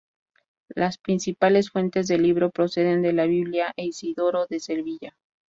Las principales fuentes del libro proceden de la Biblia e Isidoro de Sevilla.